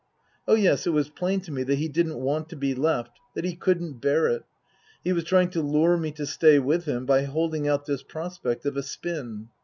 Oh, yes, it was plain to me that he didn't want to be left that he couldn't bear it. He was trying to lure me to stay with him by holding out this prospect of a spin.